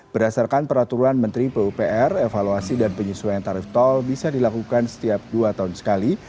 berdasarkan peraturan menteri pupr evaluasi dan penyesuaian tarif tol bisa dilakukan setiap dua tahun sekali